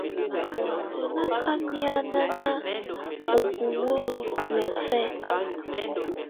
Tú nà ká nyànáná ú búwǝ́ niɔ́fɛna.